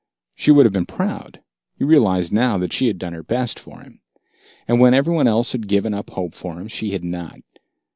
She would have been proud. He realized now that she had done her best for him. And when every one else had given up hope for him, she had not.